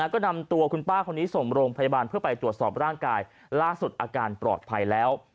ก็นำตัวคุณป้าคนนี้ส่งโรงพยาบาลเพื่อไปตรวจสอบร่างกายล่าสุดอาการปลอดภัยแล้ว